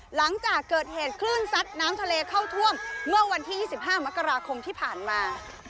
หลังจากเกิดเหตุคลื่นซัดน้ำทะเลเข้าท่วมเมื่อวันที่๒๕มกราคมที่ผ่านมา